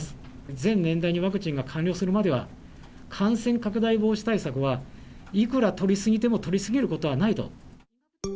全年代にワクチンが完了するまでは、感染拡大防止対策はいくら取り過ぎても取り過ぎることはないと。